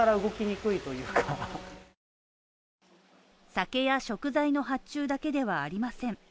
酒や食材の発注だけではありません。